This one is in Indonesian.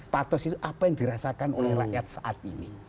patos itu apa yang dirasakan oleh rakyat saat ini